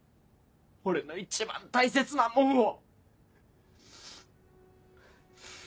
俺の一番大切なもんを。